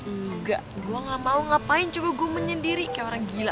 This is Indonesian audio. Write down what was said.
enggak gue gak mau ngapain coba gue menyendiri kayak orang gila